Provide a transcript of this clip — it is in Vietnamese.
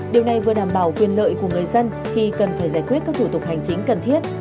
điều này vừa đảm bảo quyền lợi của người dân khi cần phải giải quyết các thủ tục hành chính cần thiết